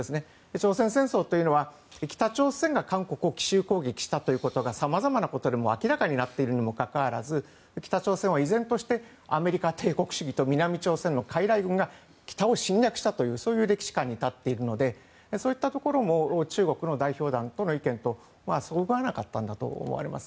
朝鮮戦争というのは北朝鮮が韓国を奇襲攻撃したということが様々なことでもう明らかになっているにもかかわらず北朝鮮は依然としてアメリカ帝国主義と南朝鮮のかいらい軍が北を侵略したというそういう歴史観に立っているのでそういうところも中国の代表団の意見とそぐわなかったんだと思います。